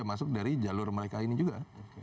masuk dari jalur mereka ini juga